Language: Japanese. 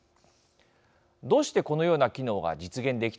どうしてこのような機能が実現できたのでしょうか。